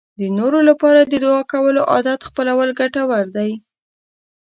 د نورو لپاره د دعا کولو عادت خپلول ګټور دی.